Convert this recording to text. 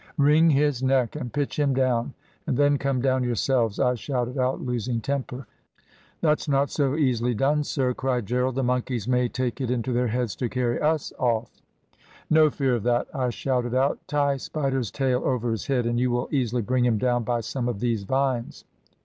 "`Wring his neck and pitch him down, and then come down yourselves,' I shouted out, losing temper. "`That's not so easily done, sir,' cried Gerald. `The monkeys may take it into their heads to carry us off.' "`No fear of that,' I shouted out; `tie Spider's tail over his head and you will easily bring him down by some of these vines.